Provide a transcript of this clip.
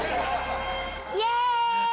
イエーイ！